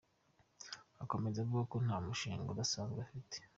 Akomeza avuga ko nta mushinga udasanzwe bafite.